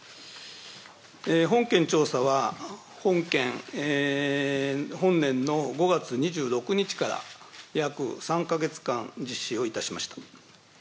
本件調査は、本年の５月２６日から約３か月間、実施をいたしました。